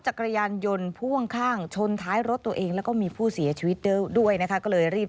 จักรยานยนต์พ่วงข้างชนท้ายรถตัวเองแล้วก็มีผู้เสียชีวิตด้วยนะคะก็เลยรีบ